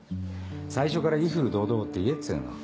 最初から『威風堂々』って言えっつうの。